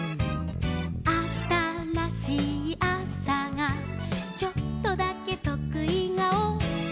「あたらしいあさがちょっとだけとくい顔」